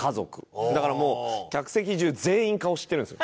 だからもう客席中全員顔知ってるんですよ。